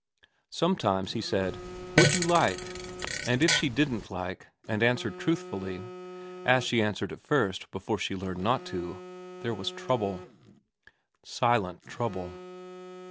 Some times he said, ' Would you like ?' and if she didn't like, and answered truthfully, as she answered at first before she learned not to, there was trouble. Silent trouble.